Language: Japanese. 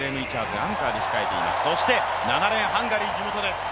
そして７レーン、ハンガリー地元です。